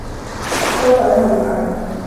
سوف أذهب الآن.